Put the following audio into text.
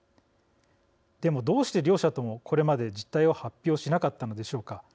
でも、どうして両社ともこれまで実態を発表しなかったのでしょうか。